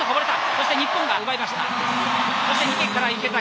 そして日本が奪いました。